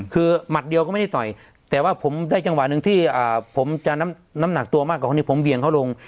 คือหมัดเดียวก็ไม่ได้ต่อยแต่ว่าผมได้จังหวะหนึ่งที่ผมจะน้ำหนักตัวมากกว่าคนนี้ผมเวี่ยงเขาลง